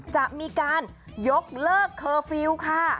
จะมีการยกเลิกเคอร์ฟิลล์ค่ะ